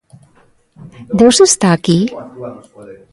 ¿Deus está aquí?